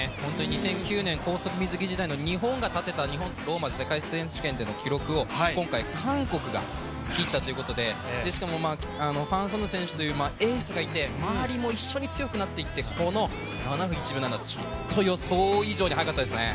２００９年、高速水着時代の日本が立てたローマでの世界選手権の記録を今回、韓国が切ったということでファン・ソヌ選手というエースがいて、周りも一緒になって強くなっていって、この７分１秒７３、予想以上に速かったですね。